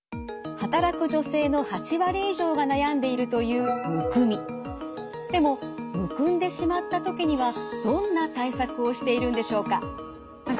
働く女性の８割以上が悩んでいるというでもむくんでしまった時にはどんな対策をしているんでしょうか？